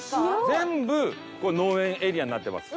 全部農園エリアになってます。